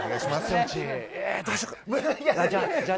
どうしようかな。